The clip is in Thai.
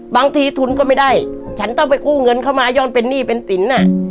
บางทีทุนก็ไม่ได้ฉันต้องไปกู้เงินเข้ามาย่อนเป็นหนี้เป็นสิน